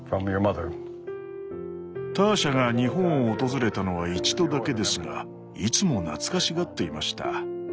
ターシャが日本を訪れたのは一度だけですがいつも懐かしがっていました。